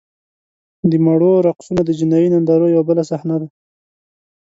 د مړو رقصونه د جنایي نندارو یوه بله صحنه ده.